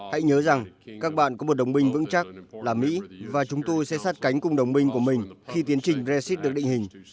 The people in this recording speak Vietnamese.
hãy nhớ rằng các bạn có một đồng minh vững chắc là mỹ và chúng tôi sẽ sát cánh cùng đồng minh của mình khi tiến trình brexit được định hình